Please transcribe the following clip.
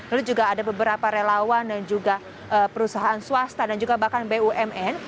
lalu juga ada beberapa relawan dan juga perusahaan swasta dan juga bahkan bumn